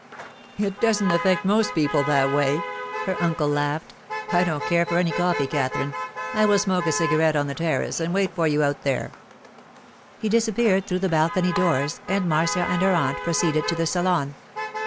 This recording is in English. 'It doesn't affect most people that way,' her uncle laughed. 'I don't care for any coffee, Katherine. I will smoke a cigarette on the terrace and wait for you out there.' He disappeared through the balcony doors, and Marcia and her aunt proceeded to the salon.